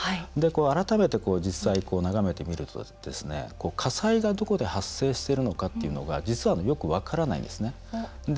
改めて実際に眺めてみると火災がどこで発生しているのかは実はよく分からないんですね。